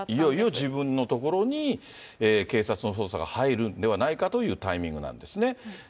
いよいよ自分のところに検察の捜査が入るんではないかというタイミングなんですね。